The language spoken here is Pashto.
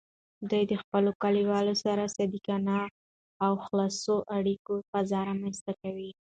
دوی د خپلو کلیوالو سره د صادقانه او خلاصو اړیکو فضا رامینځته کوي.